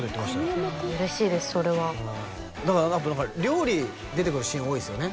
いや嬉しいですそれはだからあと料理出てくるシーン多いですよね